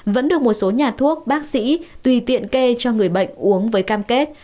vẫn được một số nhà thuốc bác sĩ tùy tiện kê cho người bệnh uống với cam kết